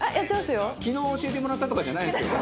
昨日教えてもらったとかじゃないですよね？